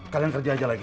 kalian kerja aja lagi